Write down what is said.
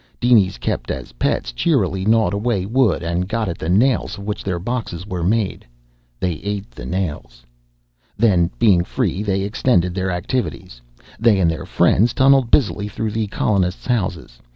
Dinies kept as pets cheerily gnawed away wood and got at the nails of which their boxes were made. They ate the nails. Then, being free, they extended their activities. They and their friends tunneled busily through the colonists' houses.